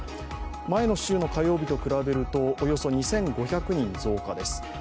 前の週の火曜日と比べるとおよそ２５００人増加です。